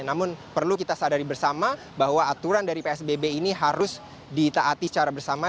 namun perlu kita sadari bersama bahwa aturan dari psbb ini harus ditaati secara bersama